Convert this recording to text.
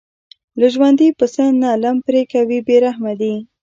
له ژوندي پسه نه لم پرې کوي بې رحمه دي.